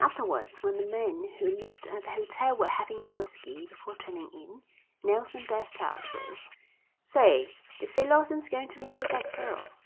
Afterwards, when the men who lived at the hotel were having a whisky before turning in, Nelson burst out with: "Say, they say Lawson's going to marry that girl."